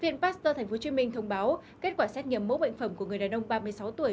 viện pasteur tp hcm thông báo kết quả xét nghiệm mẫu bệnh phẩm của người đàn ông ba mươi sáu tuổi